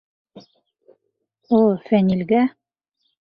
— О, Фәнилгә.